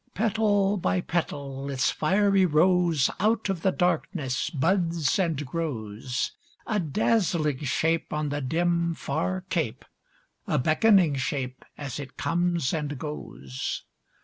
Petal by petal its fiery rose Out of the darkness buds and grows; A dazzling shape on the dim, far cape, A beckoning shape as it comes and goes.